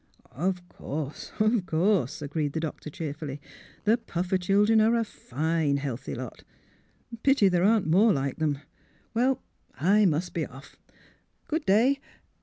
" Of course — of course! " agreed the doctor cheerfully. " The Puffer children are a fine healthy lot. Pity there aren't more like 'em. (Well, I must be off. Good day!"